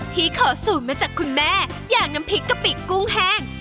ขอสูตรมาจากคุณแม่อย่างน้ำพริกกะปิกุ้งแห้ง